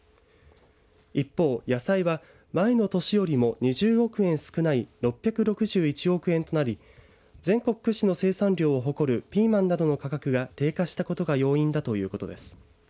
一方、野菜は前の年よりも２０億円少ない６６１億円となり全国屈指の生産量を誇るピーマンなどの価格が低下したことが要因だということです。